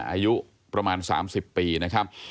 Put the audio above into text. อายุประมาณ๓๐ปีนะครับ